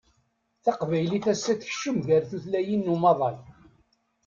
Taqbaylit ass-a tekcem gar tutlayin n umaḍal